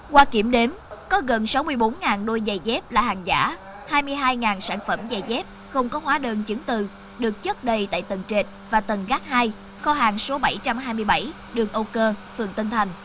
qua kiểm đếm có gần sáu mươi bốn đôi giày dép là hàng giả hai mươi hai sản phẩm giày dép không có hóa đơn chứng từ được chất đầy tại tầng trệt và tầng gác hai kho hàng số bảy trăm hai mươi bảy đường âu cơ phường tân thành